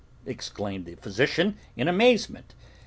exclaimed the physician in amazement.